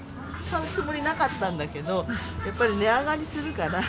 買うつもりなかったんだけど、やっぱり値上がりするから。